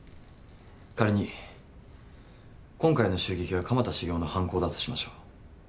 仮に今回の襲撃が蒲田シゲオの犯行だとしましょう。